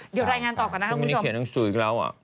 เดี๋ยวรายงานต่อก่อนนะครับคุณผู้ชม